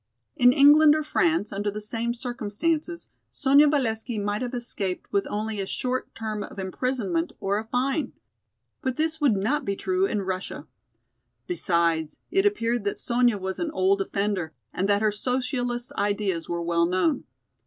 In England or France, under the same circumstances, Sonya Valesky might have escaped with only a short term of imprisonment or a fine. But this would not be true in Russia. Besides, it appeared that Sonya was an old offender and that her socialist ideas were well known.